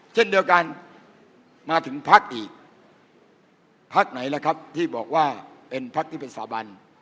เช่นเดียวกันมาถึงพักอีกพักไหนล่ะครับที่บอกว่าเป็นพักที่เป็นสาบัน